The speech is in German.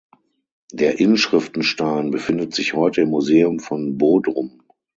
Der Inschriftenstein befindet sich heute im Museum von Bodrum.